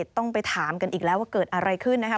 ต้องไปถามกันอีกแล้วว่าเกิดอะไรขึ้นนะครับ